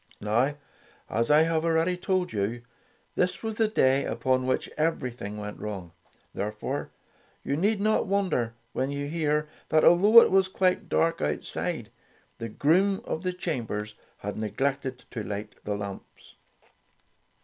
Now, as I have already told you, this was the day upon which everything went wrong. Therefore, you need not wonder when you hear that, although it was quite dark out side, the groom of the chambers had ne glected to light the lamps.